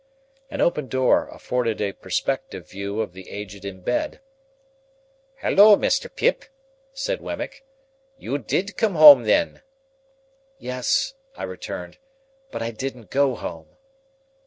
An open door afforded a perspective view of the Aged in bed. "Halloa, Mr. Pip!" said Wemmick. "You did come home, then?" "Yes," I returned; "but I didn't go home."